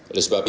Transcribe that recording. oleh sebab itu